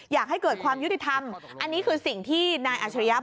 อยากให้เกิดความยุติธรรมอันนี้คือสิ่งที่นายอัชริยะ